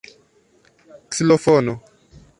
ksilofono